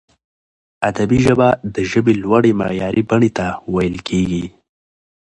ادبي ژبه د ژبي لوړي معیاري بڼي ته ویل کیږي.